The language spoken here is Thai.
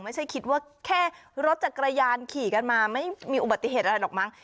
ไม่ใช่คิดว่าแค่รถจักรยานขี่กันมาไม่มีอุบัติเหตุอะไรหรอกมั้ง